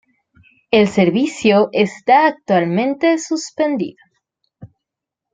El servicio está actualmente suspendido.